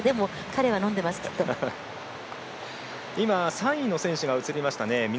３位の選手が映りましたね。